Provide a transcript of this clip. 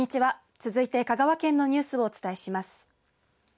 続いて香川県のニュースをお伝えします。